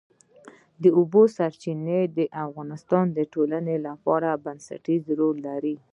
د اوبو سرچینې د افغانستان د ټولنې لپاره بنسټيز رول لري.